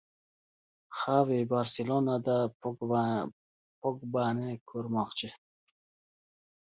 Xavi "Barselona"da Pogbani ko‘rmoqchi